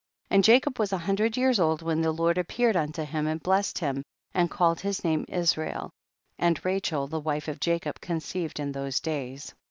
8. And Jacob was a hundred years old when the ]jord appeared unto him, and blessed him and called his name Israel, and Rachel the wife of Jacob conceived in those days.